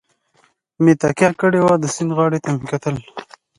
مې تکیه کړې وه، د سیند څنډې ته مې وکتل.